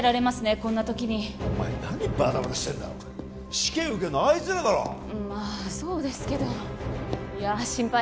こんな時にお前何バタバタしてんだ試験受けるのあいつらだろまあそうですけどいや心配